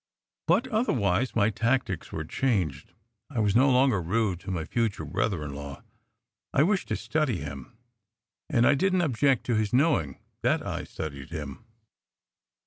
But otherwise my tactics were changed. I was no longer rude to my future brother in law. I wished to study him, and I didn t object to his knowing that I studied him.